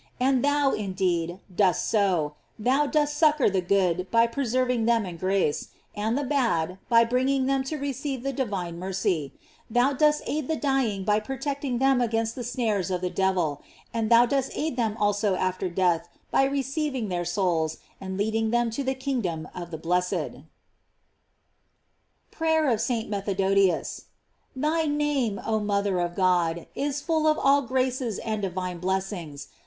And thou, indeed, dost so; thou dost guccor the good by preserving them in grace; and the bad, by bringing them to receive the divine mercy; thou dost aid the dying by pro tecting them against the snares of the devil; and thou dost aid them also after death by re ceiving their souls, and leading them to the kingdom of the blessed. PEAYEB OP ST. METHODIUS. THY name, oh mother of God, is full of all graces and divine blessings.